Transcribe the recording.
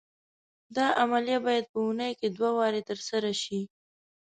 دا عملیه باید په اونۍ کې دوه وارې تر سره شي.